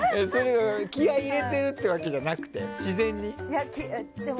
気合を入れてるってわけじゃなく自然に？